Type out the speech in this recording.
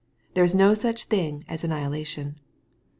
There is no such thing as annihilation.